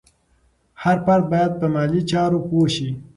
هر فرد باید په مالي چارو پوه شي.